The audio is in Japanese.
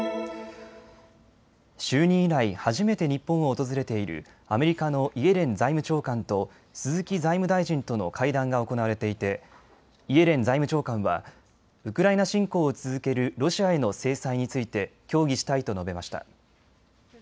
就任以来、初めて日本を訪れているアメリカのイエレン財務長官と鈴木財務大臣との会談が行われていてイエレン財務長官はウクライナ侵攻を続けるロシアへの制裁について協議したいと述べました。